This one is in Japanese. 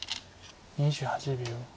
２８秒。